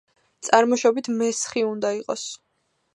წარმოშობით მესხი უნდა იყოს.